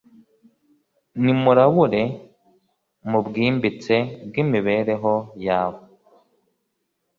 Nimurabure mubwimbitse bwimibereho yawe